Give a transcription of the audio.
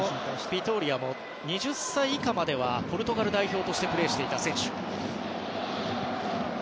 ビトーリアも２０歳以下まではポルトガル代表でプレーしていました。